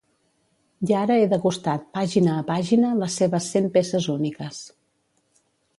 I ara he degustat, pàgina a pàgina, les seves cent peces úniques.